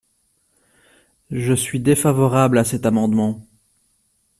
Je suis défavorable à cet amendement.